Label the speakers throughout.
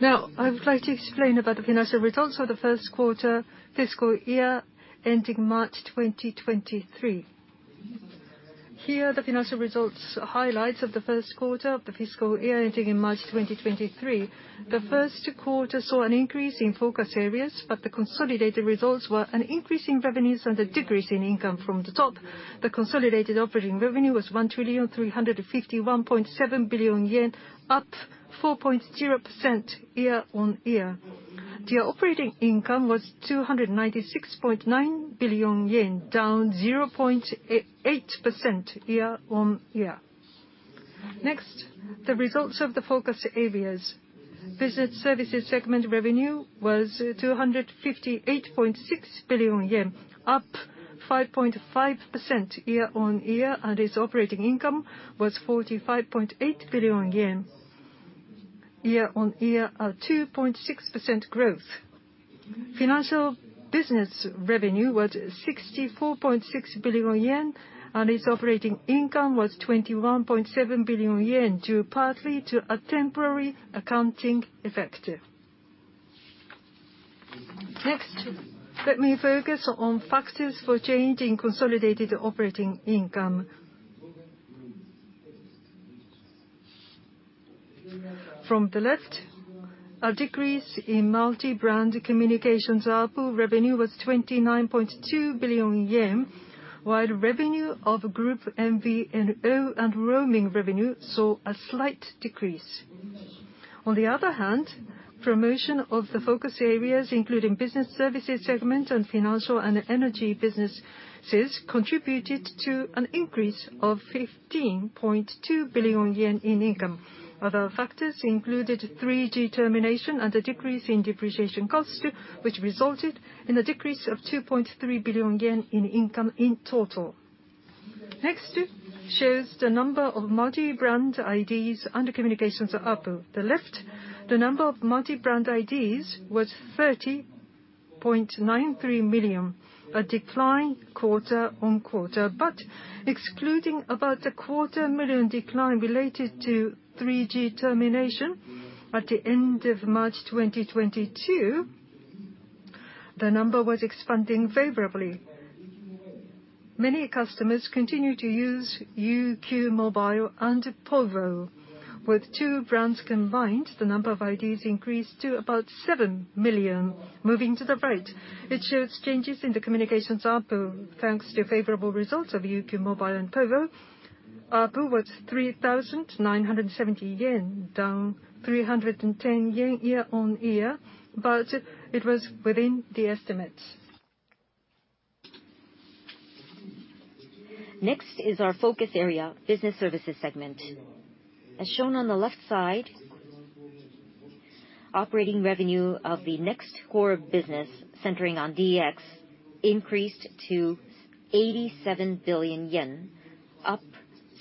Speaker 1: I would like to explain about the financial results of the first quarter fiscal year ending March 2023. Here, the financial results highlights of the first quarter of the fiscal year ending in March 2023. The first quarter saw an increase in focus areas, but the consolidated results were an increase in revenues and a decrease in income from the top. The consolidated operating revenue was 1.3517 trillion yen, up 4.0% YoY. The operating income was 296.9 billion yen, down 0.8% YoY. The results of the focus areas. Business Services Segment revenue was 258.6 billion yen, up 5.5% YoY, and its operating income was 45.8 billion yen, YoY a 2.6% growth. Financial business revenue was 64.6 billion yen, and its operating income was 21.7 billion yen, due partly to a temporary accounting effect. Let me focus on factors for change in consolidated operating income. From the left, a decrease in multi-brand communications ARPU. Revenue was 29.2 billion yen, while revenue of group MVNO and roaming revenue saw a slight decrease. Promotion of the focus areas, including Business Services Segment and financial and energy businesses, contributed to an increase of 15.2 billion yen in income. Other factors included 3G termination and a decrease in depreciation cost, which resulted in a decrease of 2.3 billion yen in income in total. Shows the number of multi-brand IDs under communications ARPU. The number of multi-brand IDs was 30.93 million, a decline QoQ. Excluding about a quarter million decline related to 3G termination at the end of March 2022, the number was expanding favorably. Many customers continue to use UQ mobile and povo. With two brands combined, the number of IDs increased to about 7 million. It shows changes in the communications ARPU. Thanks to favorable results of UQ mobile and povo, ARPU was 3,970 yen, down 310 yen YoY, it was within the estimates.
Speaker 2: Is our focus area, Business Services Segment. Operating revenue of the NEXT Core business, centering on DX, increased to 87 billion yen, up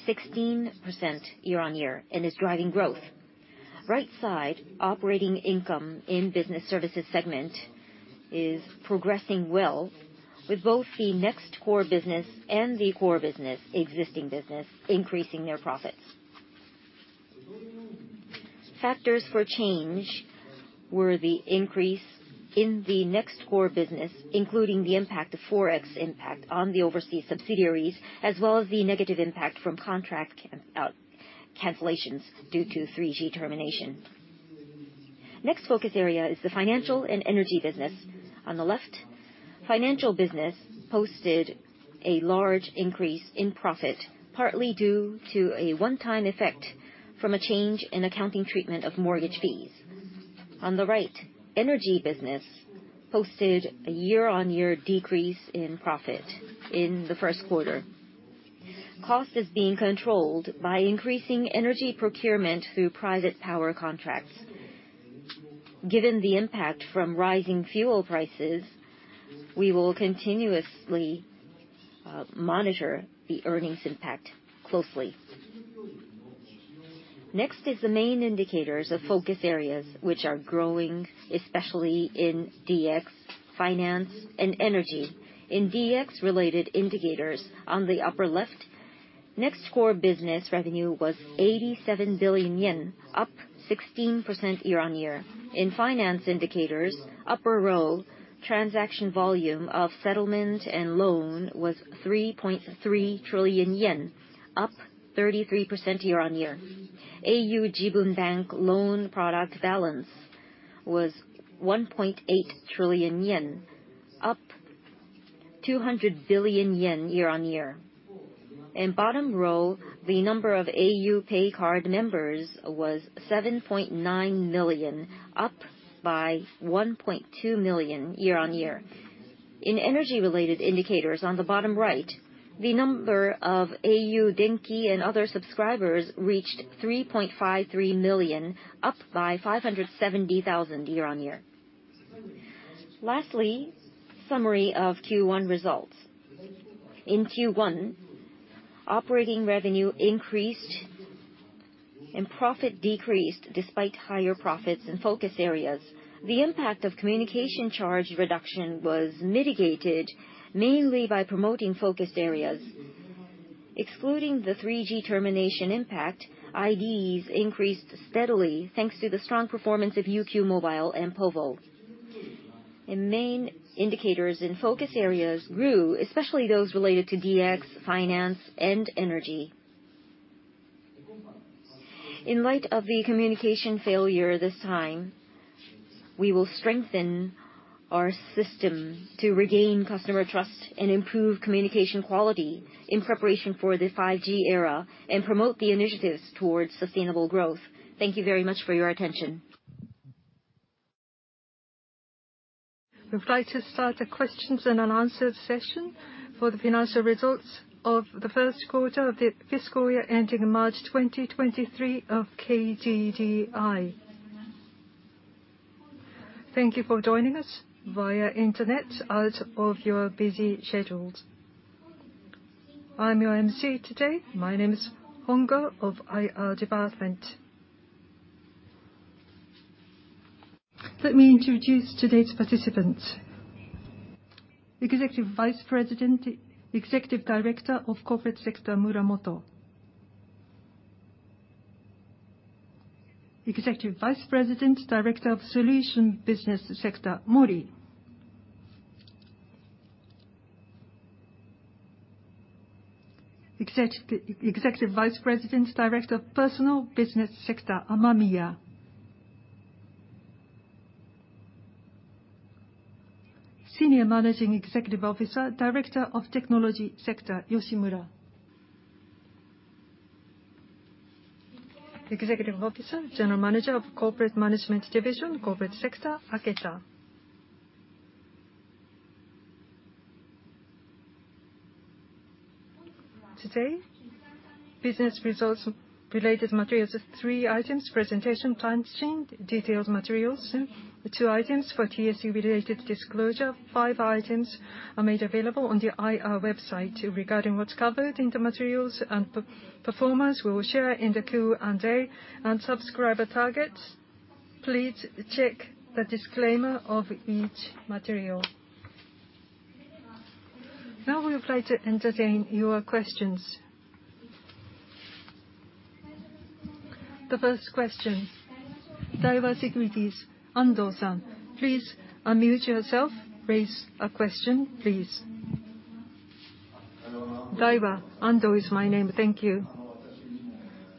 Speaker 2: 16% YoY, and is driving growth. Operating income in Business Services Segment is progressing well with both the NEXT Core business and the core business existing business increasing their profits. Factors for change were the increase in the NEXT Core business, including the impact of forex impact on the overseas subsidiaries, as well as the negative impact from contract cancellations due to 3G termination. Focus area is the financial and energy business. Financial business posted a large increase in profit, partly due to a one-time effect from a change in accounting treatment of mortgage fees. Energy business posted a YoY decrease in profit in the first quarter. Cost is being controlled by increasing energy procurement through private power contracts. Given the impact from rising fuel prices, we will continuously monitor the earnings impact closely. Next is the main indicators of focus areas, which are growing, especially in DX, finance, and energy. In DX-related indicators, on the upper left, NEXT Core business revenue was 87 billion yen, up 16% year-on-year. In finance indicators, upper row, transaction volume of settlement and loan was 3.3 trillion yen, up 33% year-on-year. au Jibun Bank loan product balance was 1.8 trillion yen, up 200 billion yen year-on-year. In bottom row, the number of au PAY card members was 7.9 million, up by 1.2 million year-on-year. In energy-related indicators on the bottom right, the number of au Denki and other subscribers reached 3.53 million, up by 570,000 year-on-year. Lastly, summary of Q1 results. In Q1, operating revenue increased and profit decreased despite higher profits in focus areas. The impact of communication charge reduction was mitigated mainly by promoting focused areas. Excluding the 3G termination impact, IDs increased steadily thanks to the strong performance of UQ mobile and povo. The main indicators and focus areas grew, especially those related to DX, finance, and energy. In light of the communication failure this time, we will strengthen our system to regain customer trust and improve communication quality in preparation for the 5G era and promote the initiatives towards sustainable growth. Thank you very much for your attention.
Speaker 1: We would like to start the questions and unanswered session for the financial results of the first quarter of the fiscal year ending in March 2023 of KDDI. Thank you for joining us via internet out of your busy schedules. I am your MC today. My name is Hongo of IR department. Let me introduce today's participants. Executive Vice President, Executive Director of Corporate Sector, Muramoto. Executive Vice President, Director of Solution Business Sector, Mori. Executive Vice President, Director of Personal Business Sector, Amamiya. Senior Managing Executive Officer, Director of Technology Sector, Yoshimura. Executive Officer, General Manager of Corporate Management Division, Corporate Sector, Aketa. Today, business results-related materials, three items, presentation, planning, detailed materials. Two items for TSE-related disclosure. Five items are made available on the IR website regarding what's covered in the materials and performance we will share in the Q&A and subscriber targets.
Speaker 3: Please check the disclaimer of each material. Now we would like to entertain your questions. The first question. Daiwa Securities, Ando-san, please unmute yourself. Raise a question, please. Daiwa. Ando is my name. Thank you.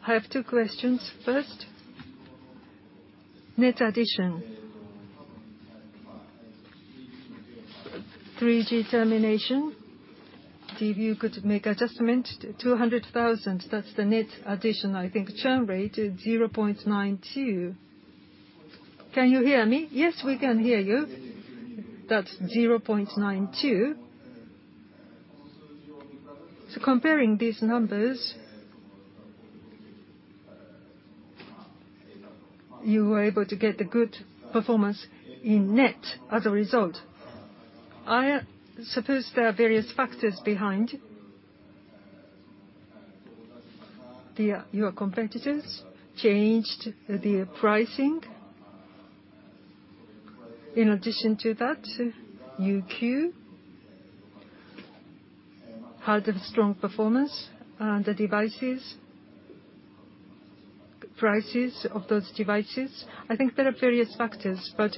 Speaker 3: I have two questions. First, net addition. 3G termination, if you could make adjustment 200,000, that's the net addition, I think. Churn rate is 0.92. Can you hear me? Yes, we can hear you. That's 0.92. Comparing these numbers, you were able to get good performance in net as a result. I suppose there are various factors behind. Your competitors changed the pricing. In addition to that, UQ had a strong performance, and the prices of those devices. I think there are various factors, but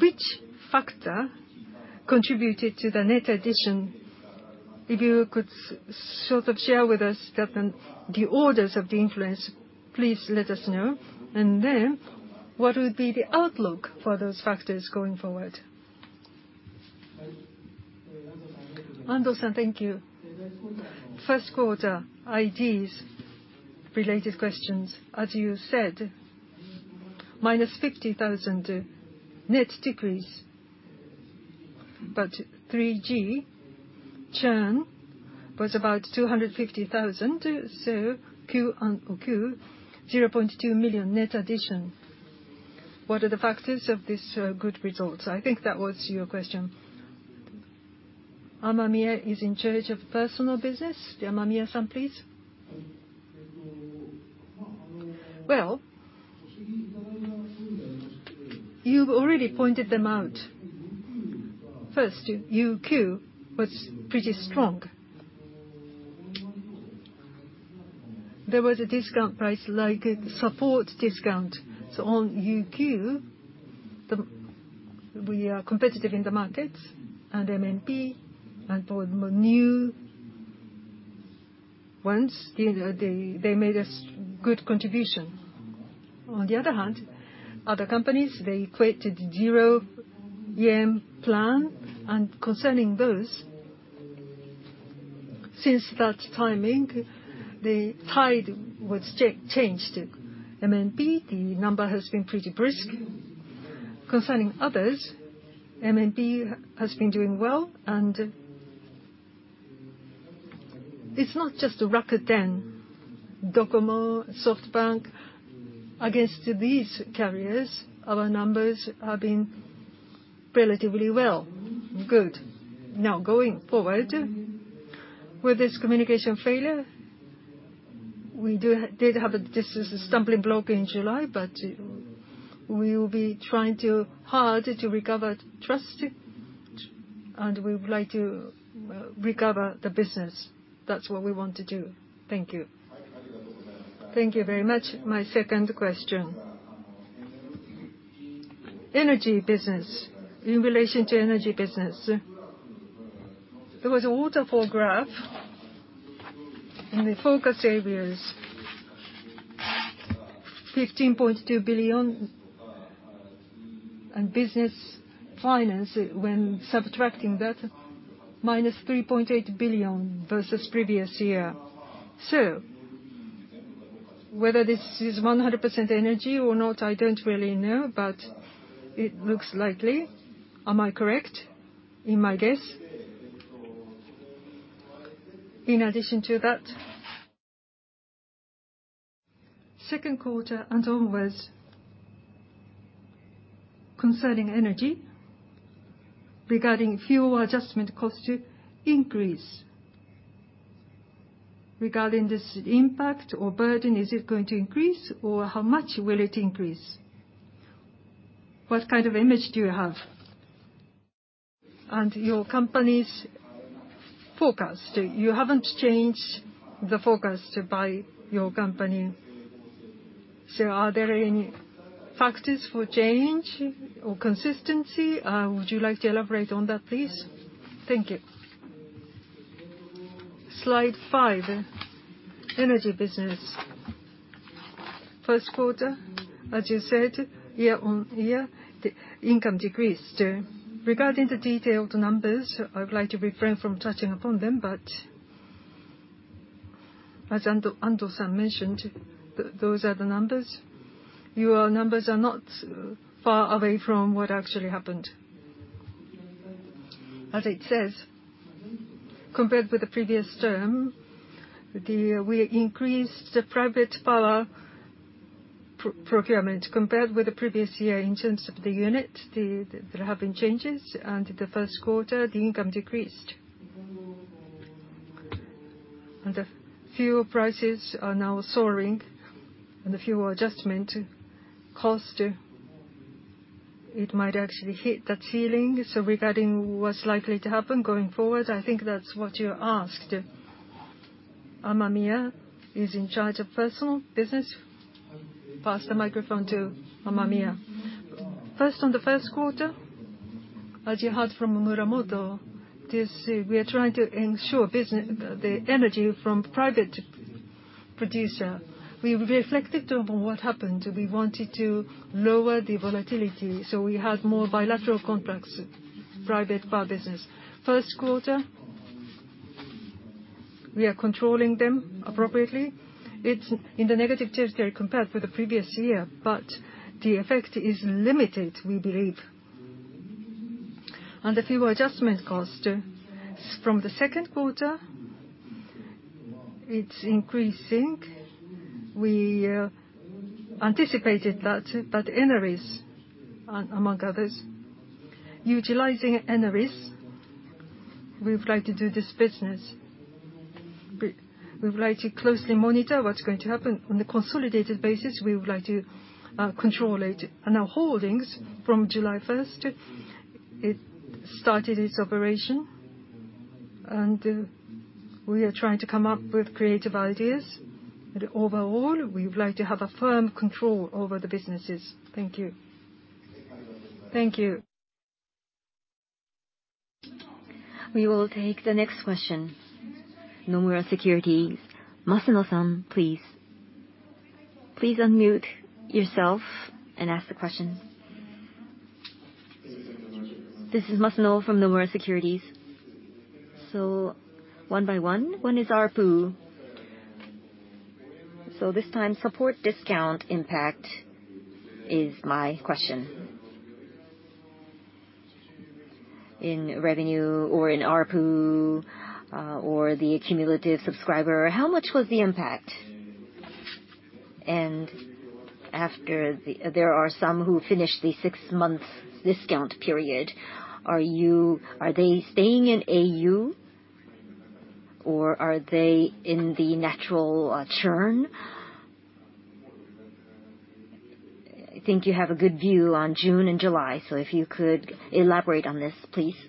Speaker 3: which factor contributed to the net addition? If you could share with us the orders of the influence, please let us know. What would be the outlook for those factors going forward?
Speaker 2: Ando-san, thank you. First quarter IDs related questions. As you said, -50,000 net decrease, but 3G churn was about 250,000, so QoQ, 0.2 million net addition. What are the factors of this good result? I think that was your question. Amamiya is in charge of personal business. Amamiya-san, please.
Speaker 4: Well, you've already pointed them out. First, UQ was pretty strong. There was a discount price, like a support discount. On UQ, we are competitive in the market, and MNP, and for the new ones, they made a good contribution. On the other hand, other companies, they equated zero-yen plan. Concerning those, since that timing, the tide was changed. MNP, the number has been pretty brisk. Concerning others, MNP has been doing well. It's not just Rakuten, Docomo, SoftBank. Against these carriers, our numbers have been relatively well. Good. Now, going forward, with this communication failure. We did have this as a stumbling block in July, but we will be trying hard to recover trust, and we would like to recover the business. That's what we want to do. Thank you. Thank you very much. My second question.
Speaker 3: In relation to energy business, there was a waterfall graph in the focus areas, JPY 15.2 billion, and business finance, when subtracting that, -3.8 billion versus previous year. Whether this is 100% energy or not, I don't really know, but it looks likely. Am I correct in my guess? In addition to that, second quarter onwards, concerning energy, regarding fuel adjustment cost increase, regarding this impact or burden, is it going to increase, or how much will it increase? What kind of image do you have? Your company's forecast, you haven't changed the forecast by your company. Are there any factors for change or consistency? Would you like to elaborate on that, please? Thank you. Slide five, energy business. First quarter, as you said, YoY, the income decreased.
Speaker 2: Regarding the detailed numbers, I would like to refrain from touching upon them, but as Ando-san mentioned, those are the numbers. Your numbers are not far away from what actually happened. As it says, compared with the previous term, we increased private power procurement. Compared with the previous year in terms of the unit, there have been changes, and in the first quarter, the income decreased. The fuel prices are now soaring, and the fuel adjustment cost, it might actually hit that ceiling. Regarding what's likely to happen going forward, I think that's what you asked. Amamiya is in charge of personal business. Pass the microphone to Amamiya. On the first quarter, as you heard from Muramoto, we are trying to ensure the energy from private producer. We reflected on what happened. We wanted to lower the volatility, so we had more bilateral contracts, private power business.
Speaker 4: First quarter, we are controlling them appropriately. It's in the negative territory compared with the previous year, but the effect is limited, we believe. The fuel adjustment cost, from the second quarter, it's increasing. We anticipated that EnRes, among others. Utilizing EnRes, we would like to do this business. We would like to closely monitor what's going to happen. On a consolidated basis, we would like to control it. Our holdings, from July 1st, it started its operation, and we are trying to come up with creative ideas. Overall, we would like to have a firm control over the businesses. Thank you. Thank you.
Speaker 5: We will take the next question. Nomura Securities, Masano-san, please. Please unmute yourself and ask the question. This is Masano from Nomura Securities. One by one. One is ARPU. This time, support discount impact is my question. In revenue or in ARPU, or the accumulative subscriber, how much was the impact? After, there are some who finished the six-month discount period. Are they staying in au, or are they in the natural churn? I think you have a good view on June and July, so if you could elaborate on this, please.
Speaker 4: Yes,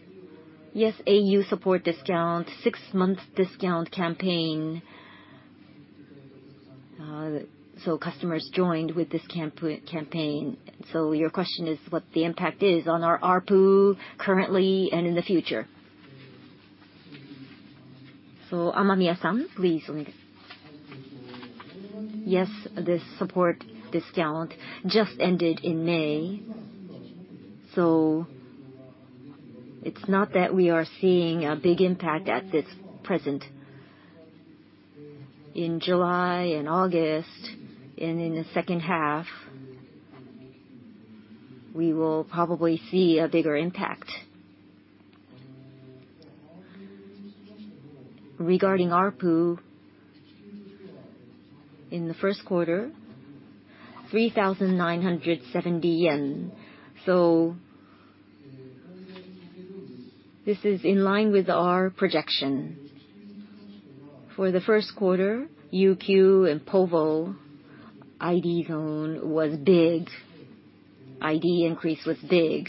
Speaker 4: au support discount, six-month discount campaign. Customers joined with this campaign. Your question is what the impact is on our ARPU currently and in the future.
Speaker 2: Amamiya-san, please.
Speaker 4: Yes, this support discount just ended in May. It's not that we are seeing a big impact at this present. In July and August, and in the second half, we will probably see a bigger impact. Regarding ARPU, in the first quarter, 3,970 yen.
Speaker 2: This is in line with our projection. For the first quarter, UQ and povo, ID increase was big.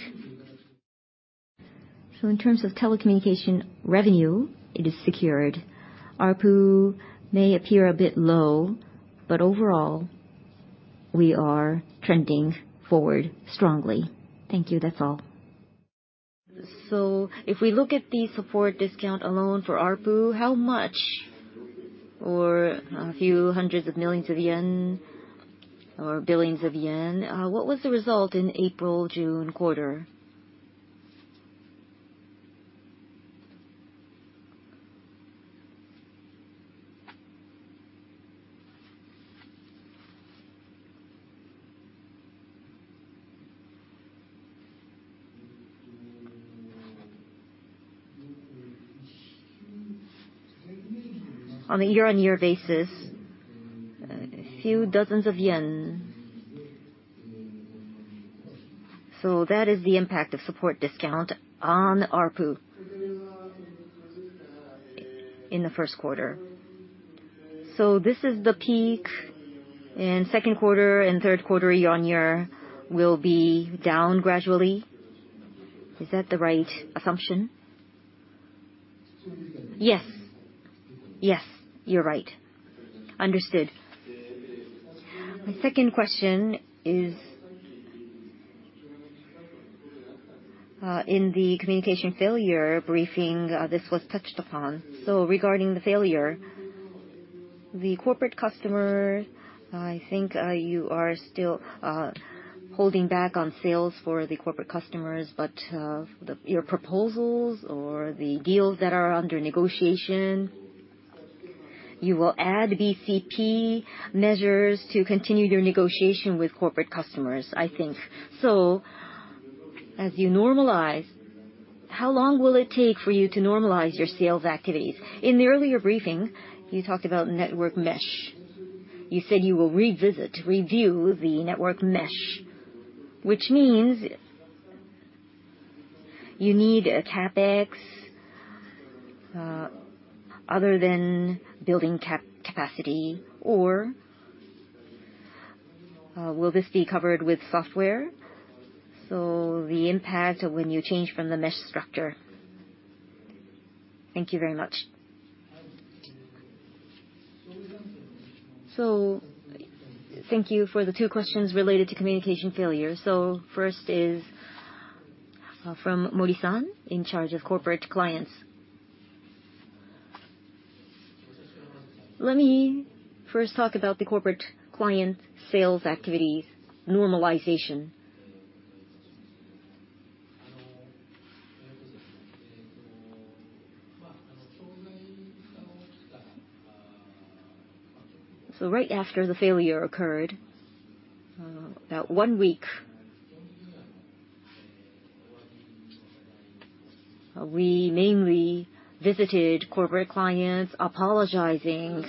Speaker 2: In terms of telecommunication revenue, it is secured. ARPU may appear a bit low, but overall, we are trending forward strongly. Thank you. That's all. If we look at the support discount alone for ARPU, how much? Or a few hundreds of millions of JPY, or billions of JPY. What was the result in April, June quarter? On a year-on-year basis, a few dozens of JPY. That is the impact of support discount on ARPU in the first quarter. This is the peak in second quarter and third quarter year-on-year will be down gradually. Is that the right assumption? Yes. Yes, you're right. Understood. My second question is, in the communication failure briefing, this was touched upon.
Speaker 6: Regarding the failure, the corporate customer, I think, you are still holding back on sales for the corporate customers, but your proposals or the deals that are under negotiation, you will add BCP measures to continue your negotiation with corporate customers, I think. As you normalize, how long will it take for you to normalize your sales activities? In the earlier briefing, you talked about network mesh. You said you will revisit, review the network mesh, which means you need a CapEx other than building capacity. Or will this be covered with software? The impact when you change from the mesh structure. Thank you very much. Thank you for the two questions related to communication failure. First is from Mori-san in charge of corporate clients. Let me first talk about the corporate client sales activities normalization.
Speaker 2: Right after the failure occurred, about one week, we mainly visited corporate clients apologizing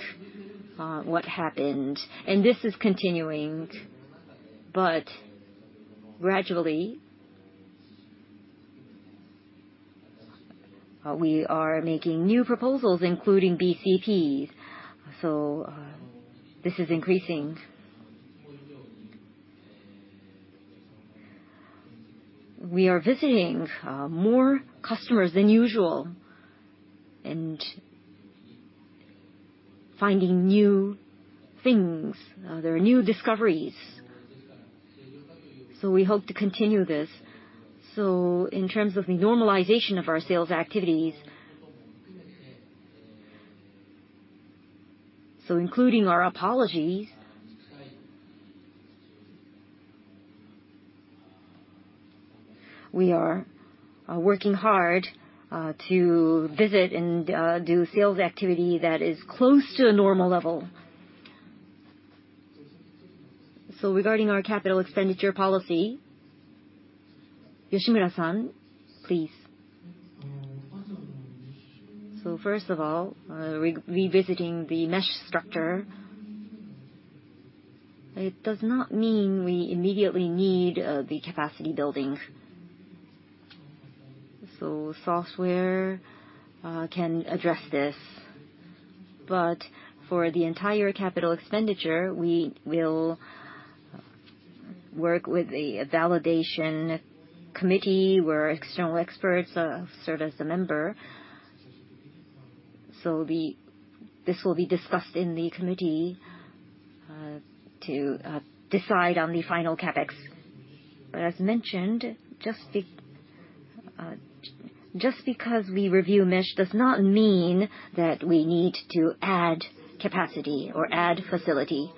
Speaker 2: what happened. This is continuing, but gradually, we are making new proposals, including BCPs. This is increasing. We are visiting more customers than usual and finding new things. There are new discoveries. We hope to continue this. In terms of the normalization of our sales activities, including our apologies, we are working hard to visit and do sales activity that is close to a normal level. Regarding our capital expenditure policy, Yoshimura-san, please. First of all, revisiting the mesh structure, it does not mean we immediately need the capacity building. Software can address this. But for the entire capital expenditure, we will work with a validation committee where external experts serve as a member. This will be discussed in the committee, to decide on the final CapEx. As mentioned, just because we review mesh does not mean that we need to add capacity or add facility.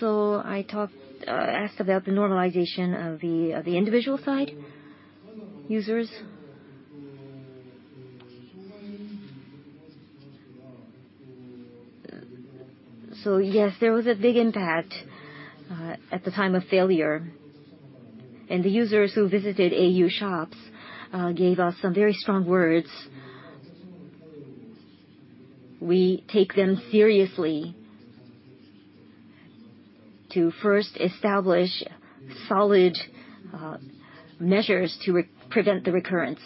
Speaker 2: I asked about the normalization of the individual side users. Yes, there was a big impact at the time of failure. The users who visited au shops gave us some very strong words. We take them seriously to first establish solid measures to prevent the recurrence.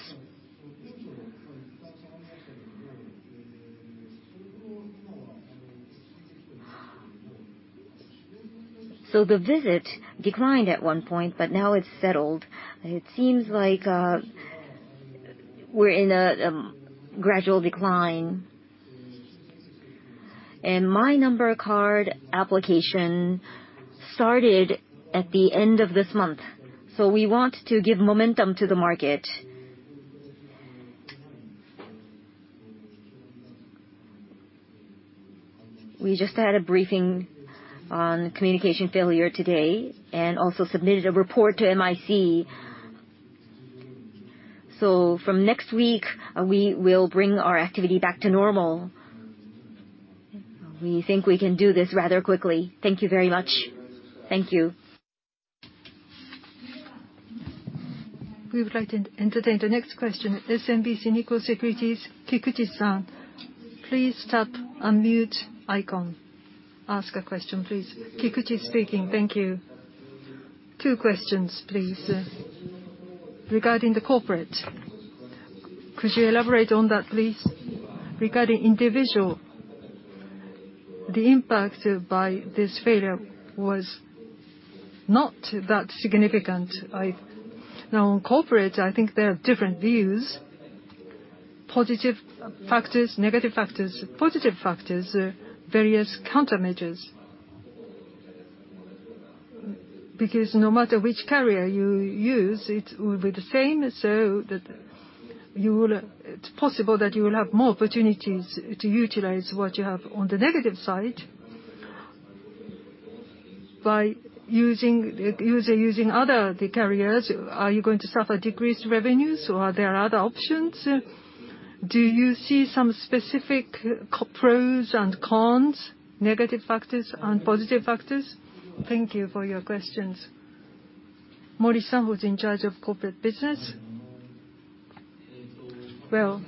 Speaker 2: The visit declined at one point, but now it's settled. It seems like we're in a gradual decline. My Number card application started at the end of this month. We want to give momentum to the market. We just had a briefing on communication failure today and also submitted a report to MIC. From next week, we will bring our activity back to normal. We think we can do this rather quickly. Thank you very much. Thank you.
Speaker 7: We would like to entertain the next question. SMBC Nikko Securities, Satoru-san. Please tap unmute icon. Ask a question, please. Satoru speaking. Thank you. Two questions, please. Regarding the corporate, could you elaborate on that, please? Regarding individual, the impact by this failure was not that significant. Now on corporate, I think there are different views, positive factors, negative factors. Positive factors, various countermeasures. Because no matter which carrier you use, it will be the same, so it's possible that you will have more opportunities to utilize what you have. On the negative side, by user using other carriers, are you going to suffer decreased revenues, or are there other options? Do you see some specific pros and cons, negative factors and positive factors?
Speaker 2: Thank you for your questions. Mori-san, who's in charge of corporate business.
Speaker 6: Well,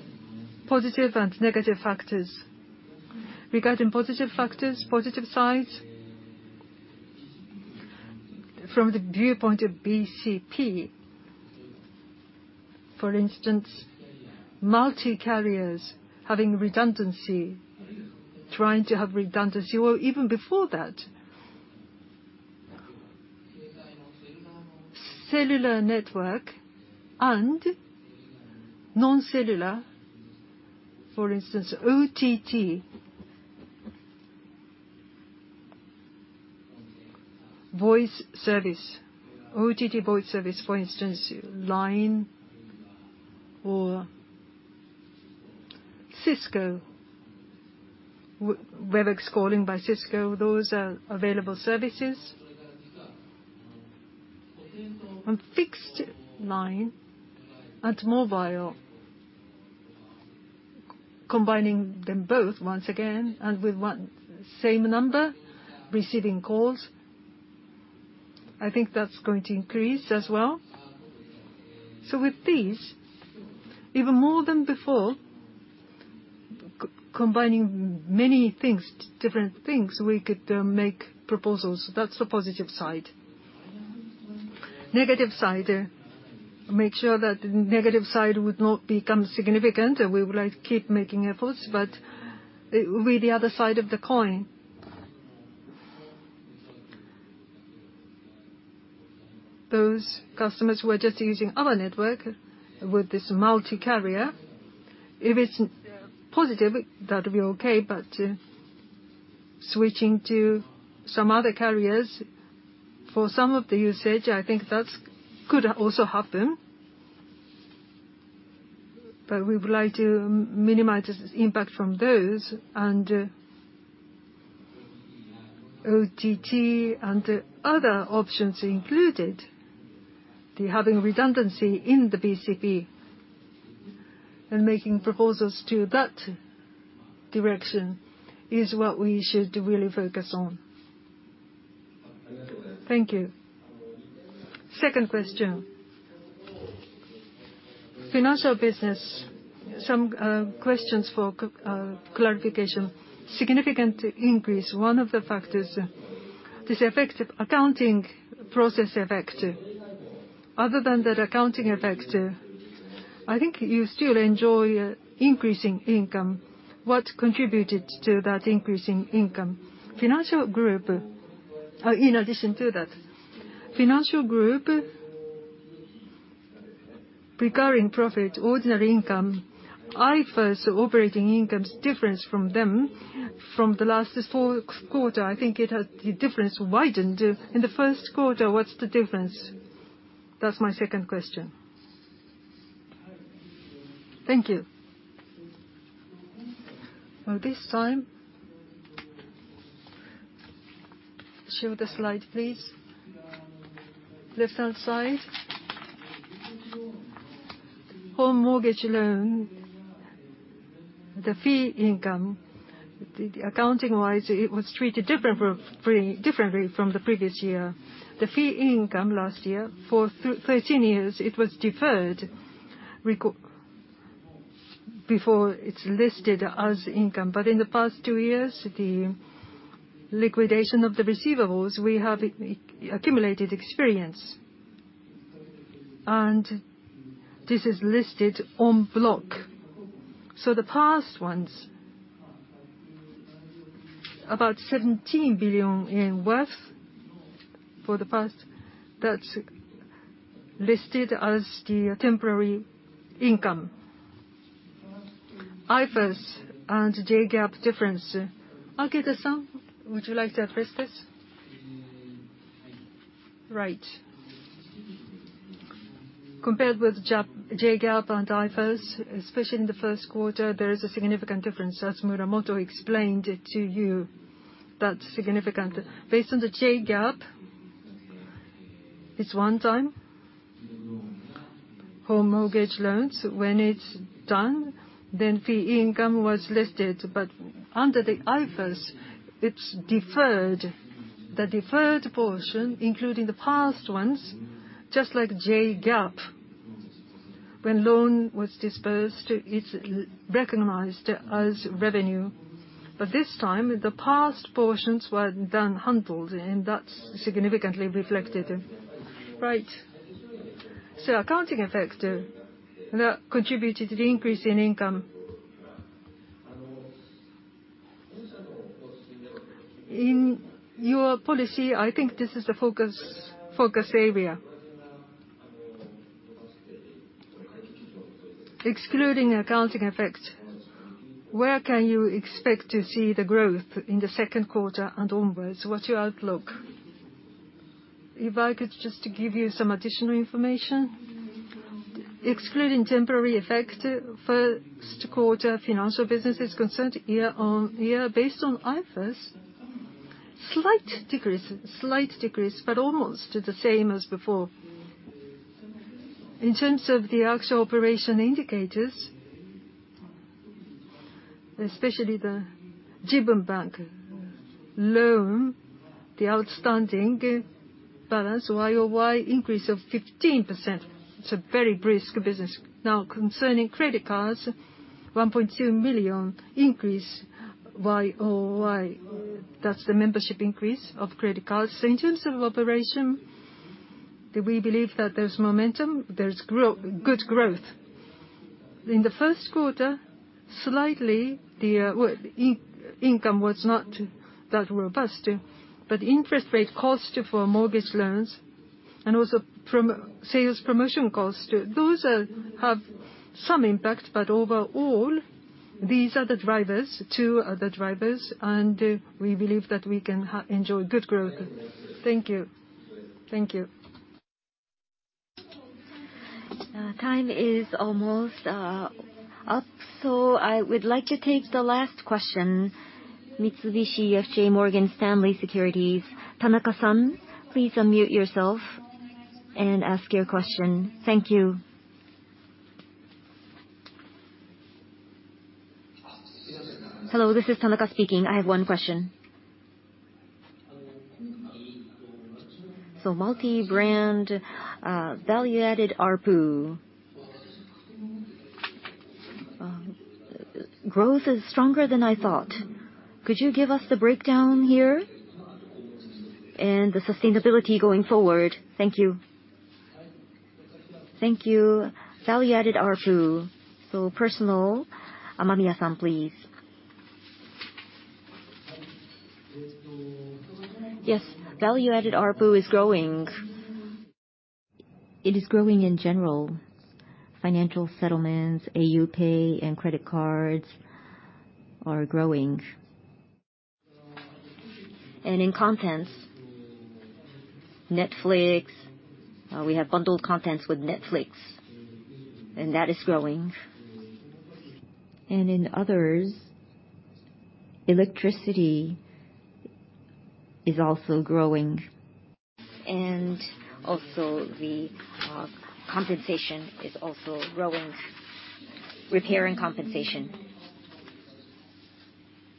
Speaker 6: positive and negative factors. Regarding positive factors, positive sides, from the viewpoint of BCP, for instance, multi-carriers having redundancy, trying to have redundancy. Well, even before that, cellular network and non-cellular, for instance, OTT voice service. OTT voice service, for instance, LINE or Cisco, Webex calling by Cisco, those are available services. On fixed line and mobile, combining them both once again and with one same number, receiving calls, I think that's going to increase as well. With these, even more than before, combining many things, different things, we could make proposals. That's the positive side. Negative side. To make sure that the negative side would not become significant, we would like to keep making efforts, but it will be the other side of the coin.
Speaker 7: Those customers who are just using our network with this multi-carrier, if it's positive, that would be okay, but switching to some other carriers for some of the usage, I think that could also happen. We would like to minimize the impact from those and OTT and other options included. The having redundancy in the BCP and making proposals to that direction is what we should really focus on. Thank you. Second question. Financial business, some questions for clarification. Significant increase, one of the factors, this accounting process effect. Other than that accounting effect, I think you still enjoy increasing income. What contributed to that increase in income? Financial group, in addition to that. Financial group, recurring profit, ordinary income, IFRS operating incomes difference from them from the last fourth quarter, I think the difference widened. In the first quarter, what's the difference? That's my second question.
Speaker 2: Thank you. Well, this time, show the slide, please. Left-hand side. Home mortgage loan, the fee income Accounting-wise, it was treated differently from the previous year. The fee income last year for 13 years, it was deferred before it's listed as income. In the past two years, the liquidation of the receivables, we have accumulated experience, and this is listed en bloc. The past ones, about 17 billion in worth for the past, that's listed as the temporary income. IFRS and JGAAP difference. Akita-san, would you like to address this? Right. Compared with JGAAP and IFRS, especially in the first quarter, there is a significant difference, as Muramoto explained it to you. That's significant. Based on the JGAAP, it's one time for mortgage loans. When it's done, fee income was listed. Under the IFRS, it's deferred. The deferred portion, including the past ones, just like JGAAP. When loan was dispersed, it's recognized as revenue.
Speaker 1: This time, the past portions were handled, and that's significantly reflected. Right. Accounting effects that contributed to the increase in income. In your policy, I think this is the focus area. Excluding accounting effects, where can you expect to see the growth in the second quarter and onwards? What's your outlook? If I could just give you some additional information. Excluding temporary effects, first quarter financial business is concerned YoY, based on IFRS, slight decrease, but almost the same as before. In terms of the actual operation indicators, especially the JIBUN Bank loan, the outstanding balance YoY increase of 15%. It's a very brisk business. Concerning credit cards, 1.2 million increase YoY. That's the membership increase of credit cards. In terms of operation, we believe that there's momentum, there's good growth.
Speaker 2: In the first quarter, slightly, the income was not that robust. Interest rate cost for mortgage loans and also from sales promotion cost, those have some impact. Overall, these are the drivers, two are the drivers, and we believe that we can enjoy good growth. Thank you.
Speaker 8: Time is almost up. I would like to take the last question. Mitsubishi UFJ Morgan Stanley Securities, Tanaka-san, please unmute yourself and ask your question. Thank you. Hello, this is Tanaka speaking. I have one question. Multi-brand value-added ARPU growth is stronger than I thought. Could you give us the breakdown here, and the sustainability going forward? Thank you. Thank you. Value-added ARPU. Personal, Amamiya-san, please.
Speaker 4: Yes. Value-added ARPU is growing. It is growing in general. Financial settlements, au PAY and credit cards are growing. In contents, Netflix, we have bundled contents with Netflix, and that is growing. In others, electricity is also growing. Also, the compensation is also growing, repair and compensation.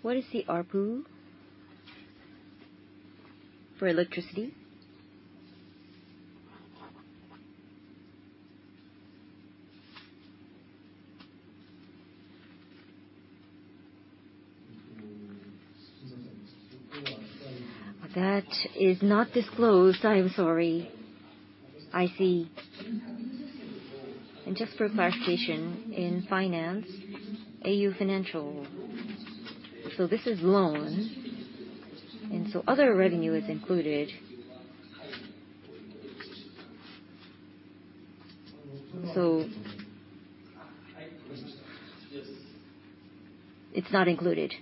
Speaker 2: What is the ARPU for electricity?
Speaker 4: That is not disclosed. I'm sorry.
Speaker 2: I see. Just for clarification, in finance, au Financial, this is loan, other revenue is included. It's not included.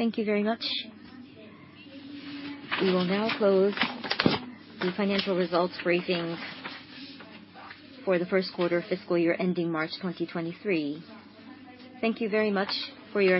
Speaker 2: Thank you very much. We will now close the financial results briefing for the first quarter fiscal year ending March 2023. Thank you very much for your-